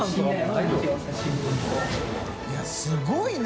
いすごいな！